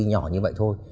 nhỏ như vậy thôi